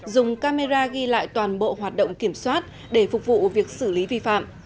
dùng camera ghi lại toàn bộ hoạt động kiểm soát để phục vụ việc xử lý vi phạm